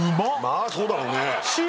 まあそうだろうね